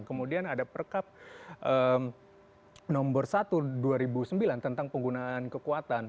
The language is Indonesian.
kemudian ada perkap nomor satu dua ribu sembilan tentang penggunaan kekuatan